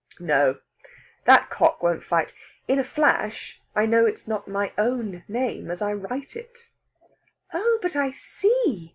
"No! That cock won't fight. In a flash, I know it's not my own name as I write it." "Oh, but I see!"